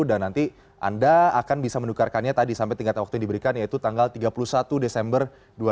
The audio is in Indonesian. dan nanti anda akan bisa menukarkannya tadi sampai tingkat waktu yang diberikan yaitu tanggal tiga puluh satu desember dua ribu delapan belas